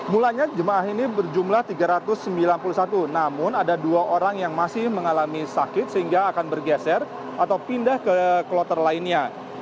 mulanya jemaah ini berjumlah tiga ratus sembilan puluh satu namun ada dua orang yang masih mengalami sakit sehingga akan bergeser atau pindah ke kloter lainnya